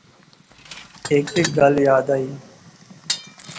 ہیک ہیک گل یاد آئی